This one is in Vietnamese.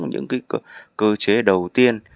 những cơ chế đầu tiên